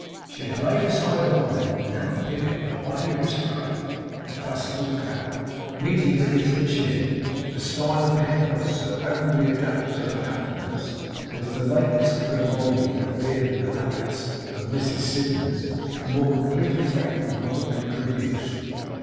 She had laid aside her bonnet, and now appeared in a highly aristocratic and classical cap, meeting beneath her chin: a style of headdress so admirably adapted to her countenance, that if the late Mr Grimaldi had appeared in the lappets of Mrs Siddons, a more complete effect could not have been produced.